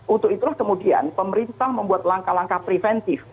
untuk itulah kemudian pemerintah membuat langkah langkah preventif